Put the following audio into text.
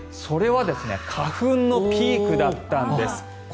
それは花粉のピークだったんです。